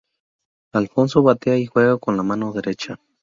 Alfonso batea y juega con la mano derecha.